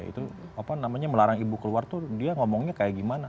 itu apa namanya melarang ibu keluar tuh dia ngomongnya kayak gimana